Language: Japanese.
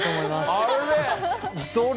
あれ？